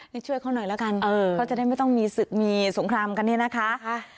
ช่วยเขาหน่อยละกันเขาจะได้ไม่ต้องมีศึกมีสงครามกันเนี่ยนะคะ